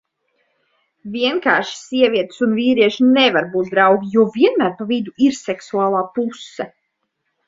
Vienkārši sievietes un vīrieši nevar būt draugi, jo vienmēr pa vidu ir seksuālā puse.